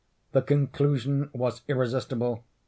The conclusion was irresistible.